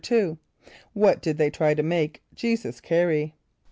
= What did they try to make J[=e]´[s+]us carry?